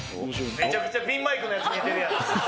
めちゃくちゃピンマイクのやつ見えてるやん。